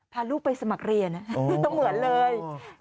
พาลูกไปสมัครเรียนต้องเหมือนเลย